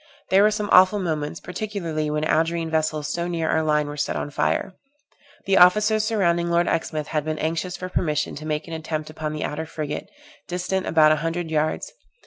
There were some awful moments, particularly when Algerine vessels so near our line were set on fire. The officers surrounding Lord Exmouth had been anxious for permission to make an attempt upon the outer frigate, distant about a hundred yards.